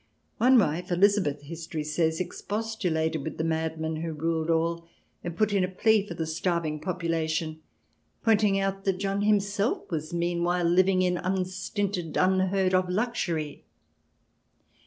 One wife, Elizabeth, history says, expostulated with the madman who ruled all, and put in a plea for the starving population, pointing out that John himself was meanwhile living in unstinted, unheard of luxury.